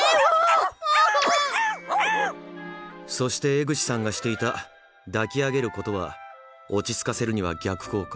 そして江口さんがしていた抱き上げることは落ち着かせるには逆効果。